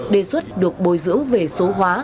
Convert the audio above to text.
đề xuất được bồi dưỡng về số hóa